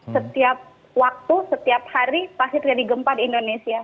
setiap waktu setiap hari pasti terjadi gempa di indonesia